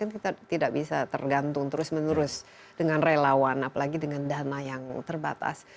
kita tidak bisa tergantung terus menerus dengan relawan apalagi dengan dana yang terbatas